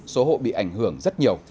số hộ bị ảnh hưởng rất nhiều